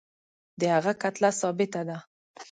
د هغه کتله ثابته ده.